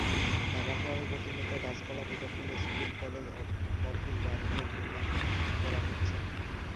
ঢাকা শহরে প্রতিনিয়ত গাছপালা কেটে ফেলে স্কুল, কলেজ, অফিস, বাসগৃহ নির্মাণ করা হচ্ছে।